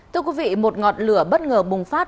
thưa quý vị một ngọn lửa bất ngờ bùng phát